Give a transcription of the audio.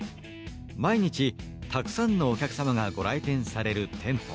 毎日、たくさんのお客様がご来店される店舗。